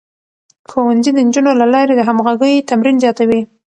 ښوونځی د نجونو له لارې د همغږۍ تمرين زياتوي.